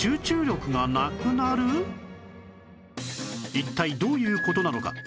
一体どういう事なのか？